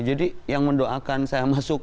jadi yang mendoakan saya masuk